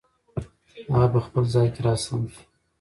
هغه په خپل ځای کې را سم شو.